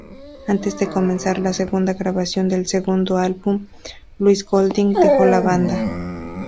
Antes de comenzar la segunda grabación del segundo álbum, Luis Golding dejó la banda.